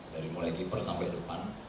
dari mulai keeper sampai depan